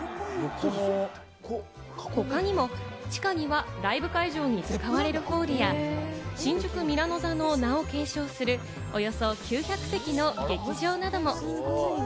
他にも地下にはライブ会場に使われるホールや、新宿ミラノ座の名を継承する、およそ９００席の劇場なども。